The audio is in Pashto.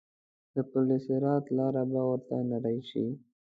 د پل صراط لاره به ورته نرۍ شي.